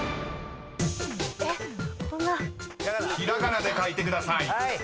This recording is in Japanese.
［ひらがなで書いてください］